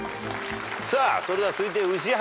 さあそれでは続いて宇治原。